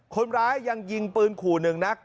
คนร้ายยังยิงปืนขู่หนึ่งนัด